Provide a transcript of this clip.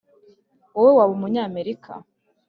wowe waba umunyamerika?